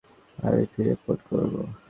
আমি ফিরে ফোন করব।